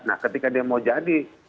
nah ketika dia mau jadi